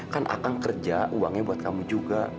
kan akang kerja uangnya buat kamu juga